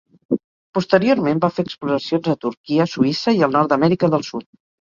Posteriorment va fer exploracions a Turquia, Suïssa i el nord d'Amèrica del Sud.